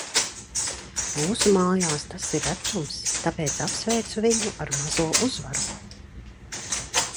Mūsu mājās tas ir retums, tāpēc apsveicu viņu ar mazo uzvaru.